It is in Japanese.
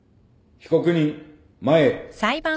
被告人前へ。